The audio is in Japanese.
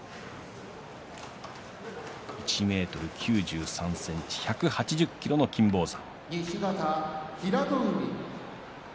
１ｍ９３ｃｍ１８０ｋｇの金峰山。